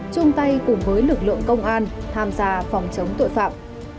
chung tay cùng với lực lượng công an tham gia phòng chống tội phạm